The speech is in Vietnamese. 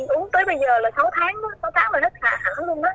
uống tới bây giờ là sáu tháng á sáu tháng là hết thả luôn á